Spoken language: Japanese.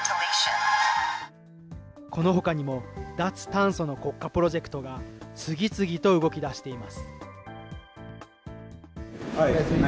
このほかにも、脱炭素の国家プロジェクトが次々と動きだしています。